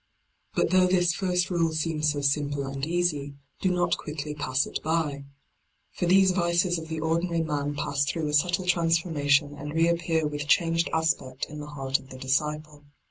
But though this first rule seems so simple and easy, do not quickly pass it by. For these vices of the ordinary man pass through a subtle transformation and reappear with changed aspect in the heart of the disciple.